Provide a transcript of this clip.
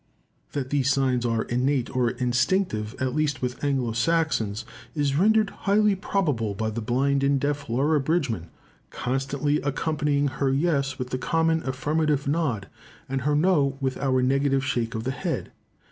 That these signs are innate or instinctive, at least with Anglo Saxons, is rendered highly probable by the blind and deaf Laura Bridgman "constantly accompanying her yes with the common affirmative nod, and her no with our negative shake of the head."